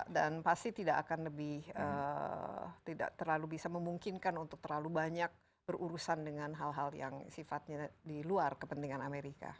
pasti tidak akan lebih tidak terlalu bisa memungkinkan untuk terlalu banyak berurusan dengan hal hal yang sifatnya di luar kepentingan amerika